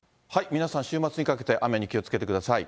皆さん、週末にかけて雨に気をつけてください。